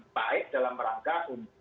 baik dalam rangka